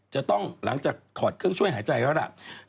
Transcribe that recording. จะต้องหลังจากถอดเครื่องช่วยหายใจแล้วล่ะ